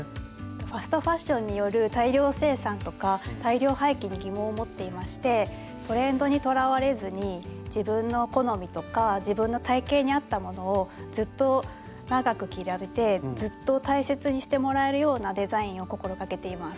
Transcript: ファストファッションによる大量生産とか大量廃棄に疑問を持っていましてトレンドにとらわれずに自分の好みとか自分の体型に合ったものをずっと長く着られてずっと大切にしてもらえるようなデザインを心掛けています。